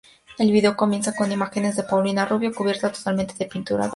El video comienza con imágenes de Paulina Rubio cubierta totalmente de pintura dorada.